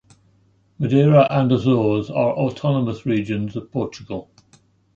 Madeira and Azores are Autonomous Regions of Portugal.